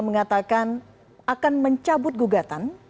mengatakan akan mencabut gugatan